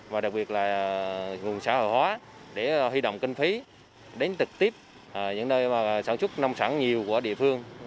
và đặc biệt là nguồn xã hội hóa để huy động kinh phí đến trực tiếp những nơi sản xuất nông sản nhiều của địa phương